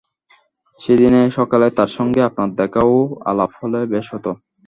সেদিন সকালে তাঁর সঙ্গে আপনার দেখা ও আলাপ হলে বেশ হত।